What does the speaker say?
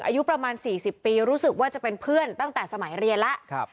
อายุประมาณ๔๐ปีรู้สึกว่าจะเป็นเพื่อนตั้งแต่สมัยเรียนแล้ว